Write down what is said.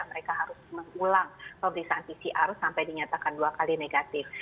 mereka harus mengulang pemeriksaan pcr sampai dinyatakan dua kali negatif